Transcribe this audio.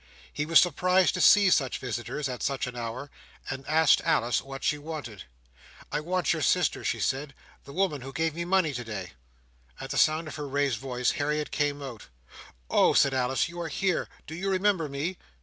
He was surprised to see such visitors at such an hour, and asked Alice what she wanted. "I want your sister," she said. "The woman who gave me money today." At the sound of her raised voice, Harriet came out. "Oh!" said Alice. "You are here! Do you remember me?"